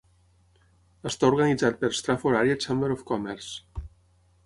Està organitzat per Strafford Area Chamber of Commerce.